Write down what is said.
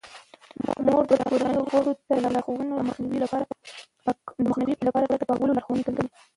مور د کورنۍ غړو ته د ناروغیو د مخنیوي لپاره د پاکولو لارښوونه کوي.